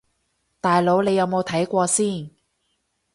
大佬你有冇睇過先